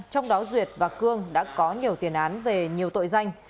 trong đó duyệt và cương đã có nhiều tiền án về nhiều tội danh